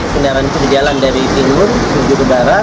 kendaraan perjalanan dari timur ke juru barat